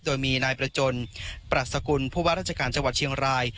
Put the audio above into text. โดยมีนายประจนปรัชกุลผู้ว่าราชการจังหวัดเชียงราย